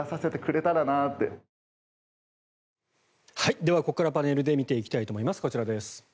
では、ここからパネルで見ていきたいと思います。